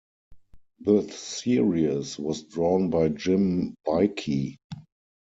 The series was drawn by Jim Baikie.